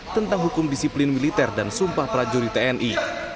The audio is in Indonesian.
tentang hukum disiplin militer dan sumpah prajurit tni